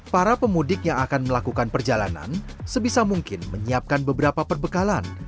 para pemudik yang akan melakukan perjalanan sebisa mungkin menyiapkan beberapa perbekalan